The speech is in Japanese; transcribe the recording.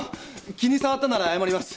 気に障ったなら謝ります。